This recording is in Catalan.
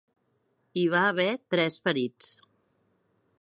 Hi va haver tres ferits.